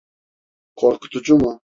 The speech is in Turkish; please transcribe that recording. Korkutucu mu?